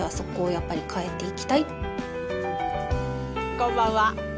こんばんは。